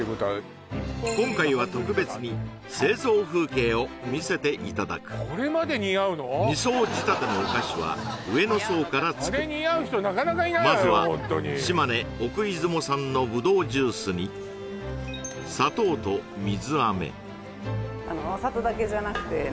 今回は特別にさせていただく２層仕立てのお菓子は上の層から作るまずは島根奥出雲産のぶどうジュースに砂糖と水飴・えっとですね